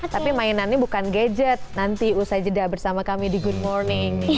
tapi mainannya bukan gadget nanti usai jeda bersama kami di good morning